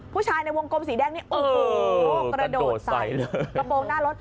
ผู้ชายในวงกลมสีแดงนี่โอ้โหกระโดดใส่กระโปรงหน้ารถ